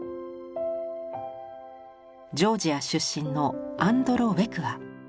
ジョージア出身のアンドロ・ウェクア。